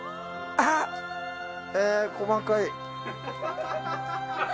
あっ、細かい。